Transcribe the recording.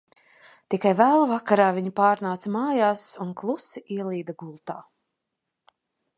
Tikai vēlu vakarā viņi pārnāca mājās un klusi ielīda gultā.